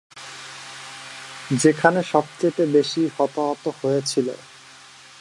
যেখানে সবচেয়ে বেশি হতাহত হয়েছিল।